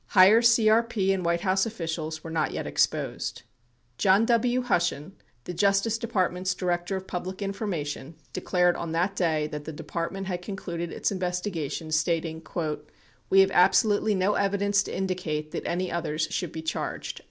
Higher CRP and 'White House officials were not yet exposed. John W. Hushen, the Justice Department's Director of Public In formation, declared on that day that the Department had concluded its investigation, stating : "We have absolutely no evidence to indicate that any others should be charged."